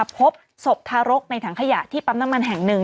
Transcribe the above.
พบศพทารกในถังขยะที่ปั๊มน้ำมันแห่งหนึ่ง